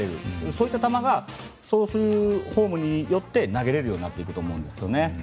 そういった球が投球フォームによって投げられるようになっていくと思うんですね。